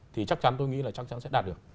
thì chắc chắn tôi nghĩ là chắc chắn sẽ đạt được